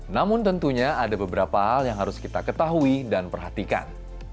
namun tentunya ada beberapa hal yang harus kita ketahui dan perhatikan